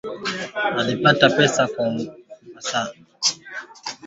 Uhamishaji ovyoovyo wa wanyama